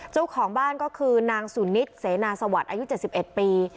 เจ้าของบ้านก็คือนางสุนิทเสนาสวัสดิ์อายุเจ็ดสิบเอ็ดปี